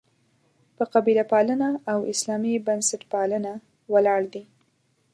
په «قبیله پالنه» او «اسلامي بنسټپالنه» ولاړ دي.